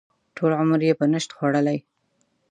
ټول عمر یې په نشت خوړلی.